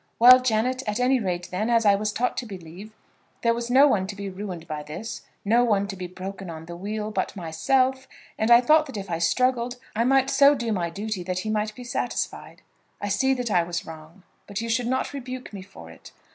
Well, Janet; at any rate, then, as I was taught to believe, there was no one to be ruined by this, no one to be broken on the wheel, but myself: and I thought that if I struggled, I might so do my duty that he might be satisfied. I see that I was wrong, but you should not rebuke me for it.